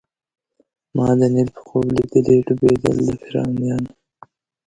ما د نیل په خوب لیدلي ډوبېدل د فرعونانو